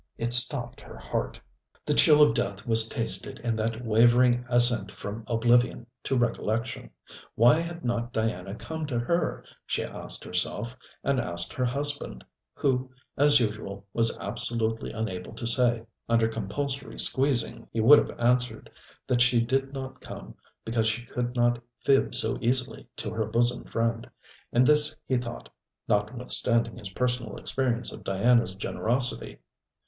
It stopped her heart. The chill of death was tasted in that wavering ascent from oblivion to recollection. Why had not Diana come to her, she asked herself, and asked her husband; who, as usual, was absolutely unable to say. Under compulsory squeezing, he would have answered, that she did not come because she could not fib so easily to her bosom friend: and this he thought, notwithstanding his personal experience of Diana's generosity.